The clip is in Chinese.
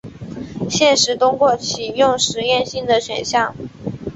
现时通过启用实验性的选项。